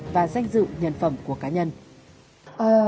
và danh dự nhân phẩm của các hành vi